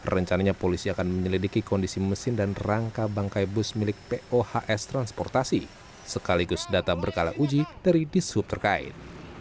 rencananya polisi akan menyelidiki kondisi mesin dan rangka bangkai bus milik pohs transportasi sekaligus data berkala uji dari dishub terkait